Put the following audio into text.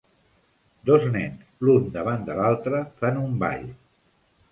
Dos nens l'un davant de l'altre fan un ball.